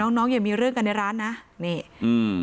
น้องน้องอย่ามีเรื่องกันในร้านนะนี่อืม